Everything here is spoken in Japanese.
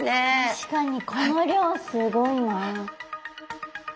確かにこの量すごいなあ。